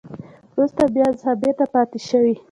وروسته بیا ثابته پاتې شوې